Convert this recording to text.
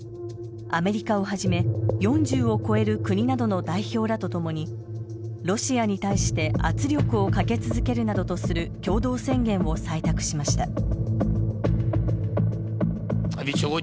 アメリカをはじめ４０を超える国などの代表らとともにロシアに対して圧力をかけ続けるなどとする共同宣言を採択しました。